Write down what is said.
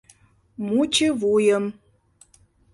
- Мучывуйым.